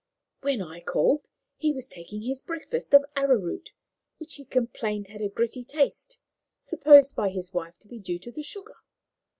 "When I called, he was taking his breakfast of arrowroot, which he complained had a gritty taste, supposed by his wife to be due to the sugar.